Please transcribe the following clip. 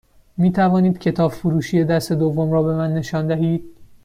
می توانید کتاب فروشی دست دوم رو به من نشان دهید؟